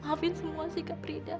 maafin semua sikap lida